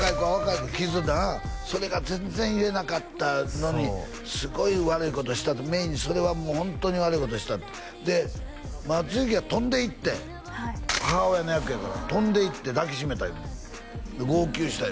「それが全然言えなかったのにすごい悪いことした」って「芽郁にそれはもうホントに悪いことした」ってで松雪が飛んでいってん「母親の役やから飛んでいって抱きしめた」「号泣した」